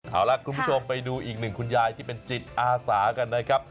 เอาล่ะคุณผู้ชมไปดูอีกหนึ่งคุณยายที่เป็นจิตอาสากันนะครับ